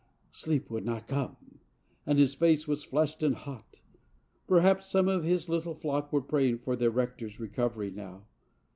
Sleep would not come, and his face was flushed and hot. Perhaps some of his little flock were praying for their rector's recovery now.